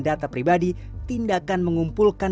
data pribadi tindakan mengumpulkan